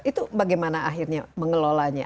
itu bagaimana akhirnya mengelolanya